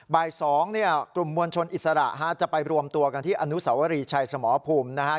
บ่าย๒เนี่ยกลุ่มมวลชนอิสระจะไปรวมตัวกันที่อนุสวรีชัยสมรภูมินะฮะ